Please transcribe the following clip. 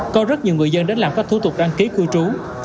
có rất nhiều người dân đến làm các thủ tục đăng ký cư trú